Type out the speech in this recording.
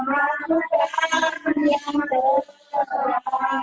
daniar ahri jakarta